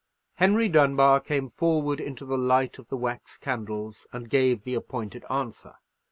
_" Henry Dunbar came forward into the light of the wax candles, and gave the appointed answer.